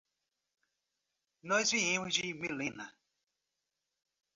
Nós viemos de Millena.